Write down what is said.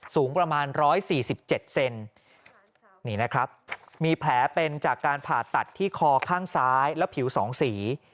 สูงประมาณ๑๔๗เซนนี่นะครับมีแผลเป็นจากการผ่าตัดที่คอข้างซ้ายและผิว๒สี